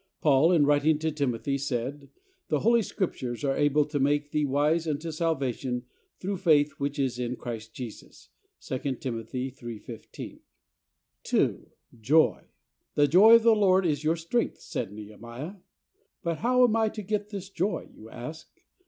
Paul in writing to Timothy said, "The Holy Scrip tures are able to make thee wise unto salva USE OF HIS BIBLE. 179 tion through faith which is in Christ Jesus." (2 Tim. 3: 15.) 2. Joy. "The joy of the Lord is your strength," said Nehemiah. "But how am I to get this joy?" you ask.